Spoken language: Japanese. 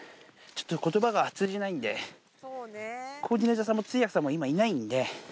ちょっと、ことばが通じないんで、コーディネーターさんも通訳さんも今、いないんで。